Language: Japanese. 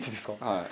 はい。